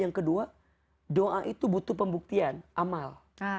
yang kedua doa itu butuh pembuktian amal